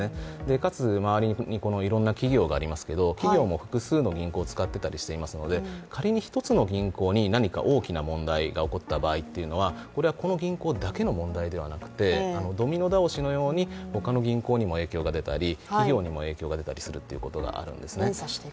かつ、周りにいろんな企業がありますけど企業も複数の銀行を使ってたりしますので仮に一つの銀行に何か大きな問題が起こった場合はこれはこの銀行だけの問題ではなくてドミノ倒しのように他の銀行にも影響が出たり企業に影響が出たりするということがあるんですね。